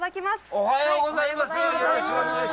おはようございます。